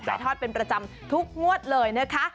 ทอดเป็นประจำทุกงวดเลยนะคะ